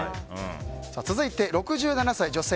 続いて、６７歳、女性。